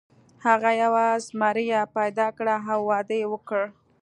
هغه یوه زمریه پیدا کړه او واده یې وکړ.